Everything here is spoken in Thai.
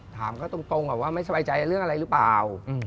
ถามเขาตรงก่อนว่าไม่สบายใจเรื่องอะไรหรือเปล่า